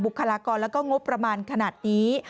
คลากรแล้วก็งบประมาณขนาดนี้